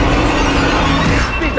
pertama kali kau bersedih